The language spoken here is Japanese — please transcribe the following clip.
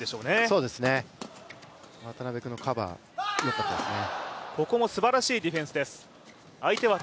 そうですね、渡辺君のカバー、よかったですね。